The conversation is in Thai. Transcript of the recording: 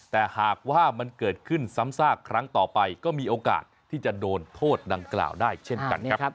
แต่หากว่ามันเกิดขึ้นซ้ำซากครั้งต่อไปก็มีโอกาสที่จะโดนโทษดังกล่าวได้เช่นกันครับ